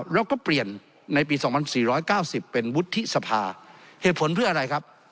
แล้วก็เปลี่ยนในปี๒๔๙๐เป็นวุฒิสภาเหตุผลเพื่ออะไรครับ